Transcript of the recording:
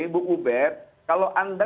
bu ubed kalau anda